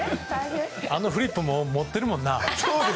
あのフリップも持ってるもんな。